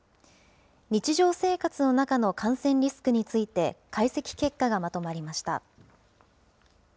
日常生活の中の感染リスクについて、解析結果がまとまりました。